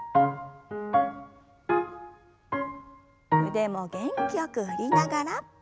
腕も元気よく振りながら。